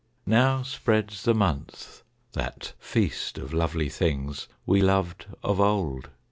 Now spreads the month that feast of lovely things We loved of old.